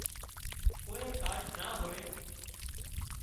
ڪوئي ڪاش نا هوئي